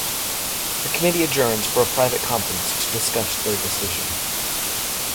The committee adjourns for a private conference to discuss their decision.